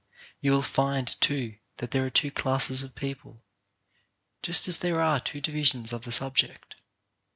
You will find, too, that there are two classes of people, just as there are two divisions of the subject.